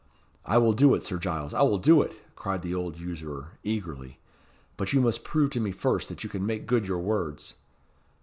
"I will do it, Sir Giles I will do it," cried the old usurer, eagerly; "but you must prove to me first that you can make good your words."